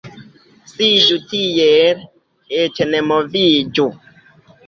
Sidu tiel, eĉ ne moviĝu.